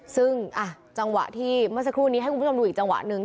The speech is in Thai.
ซึ่งจังหวะที่เมื่อสักครู่นี้ให้คุณผู้ชมดูอีกจังหวะหนึ่ง